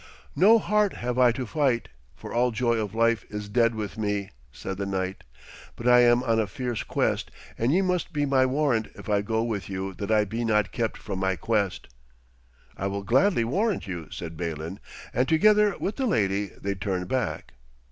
'No heart have I to fight, for all joy of life is dead with me,' said the knight, 'but I am on a fierce quest, and ye must be my warrant if I go with you that I be not kept from my quest.' 'I will gladly warrant you,' said Balin, and together with the lady they turned back.